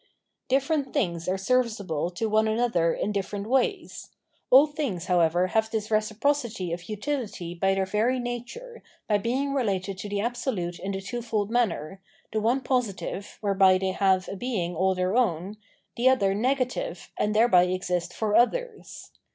Dilferent things are serviceable to one another in different ways. All things, however, have this recipro city of utihty by their very nature, by being related to the Absolute in the twofold manner, the one positive, whereby they have a being all their own, the other negative, and thereby exist for others.